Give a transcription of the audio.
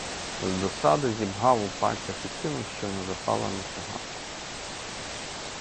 З досади зібгав у пальцях і кинув щойно запалену цигарку.